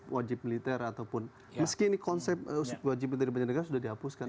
wajib militer ataupun meskini konsep wajib militer di banyak negara sudah dihapuskan